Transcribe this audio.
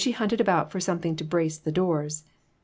hunted about for something to brace the doors.